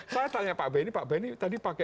saya tanya pak beni pak beni tadi pakai